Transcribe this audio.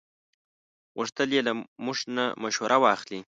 غوښتل یې له موږ نه مشوره واخلي.